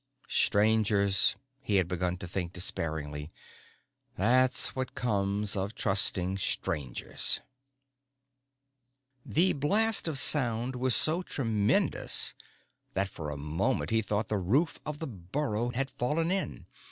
Strangers, he had begun to think despairingly, _that's what comes of trusting Strangers _The blast of sound was so tremendous that for a moment he thought the roof of the burrow had fallen in.